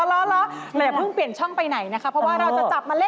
ร้อยอย่าเพิ่งเปลี่ยนช่องไปไหนนะคะ